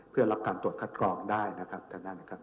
เพื่อรับการตรวจคัดกรองได้นะครับทางด้านนะครับ